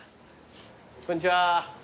こんにちは。